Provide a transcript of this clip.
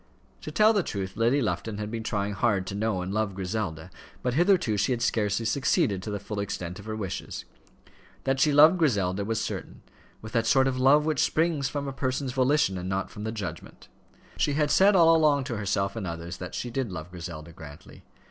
To tell the truth, Lady Lufton had been trying hard to know and love Griselda, but hitherto she had scarcely succeeded to the full extent of her wishes. That she loved Griselda was certain, with that sort of love which springs from a person's volition and not from the judgment. She had said all along to herself and others that she did love Griselda Grantly.